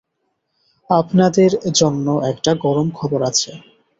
আপনাদের জন্য একটা গরম খবর আছে।